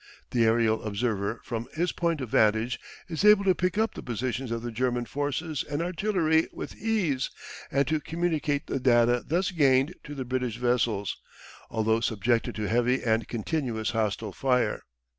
The aerial observer from his point of vantage is able to pick up the positions of the German forces and artillery with ease and to communicate the data thus gained to the British vessels, although subjected to heavy and continuous hostile fire.